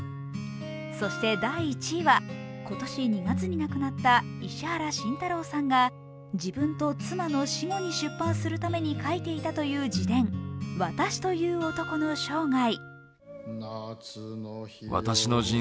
そして、第１は、今年２月に亡くなった、石原慎太郎さんが自分と妻の死後に出版するために書いていたという自伝、「『私』という男の生涯」。